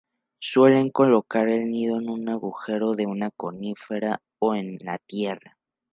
Suelen colocar el nido en el agujero de una conífera o en la tierra.